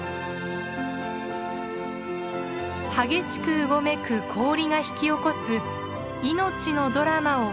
激しくうごめく氷が引き起こす命のドラマを記録しました。